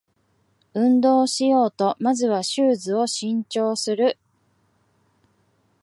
運動しようとまずはシューズを新調する